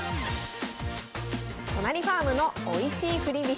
都成ファームのおいしい振り飛車。